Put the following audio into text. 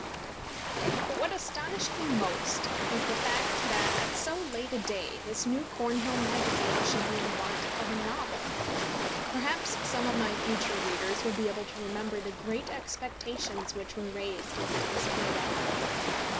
But what astonished me most was the fact that at so late a day this new Cornhill Magazine should be in want of a novel! Perhaps some of my future readers will be able to remember the great expectations which were raised as to this periodical.